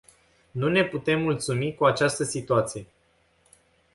Nu ne putem mulțumi cu această situație.